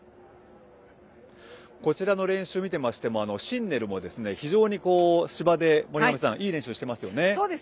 こちらの練習を見ていましてもシンネルも非常に芝でいい練習をしていますよね。